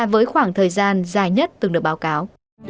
với khoảng thời gian dài nhất từng được báo cáo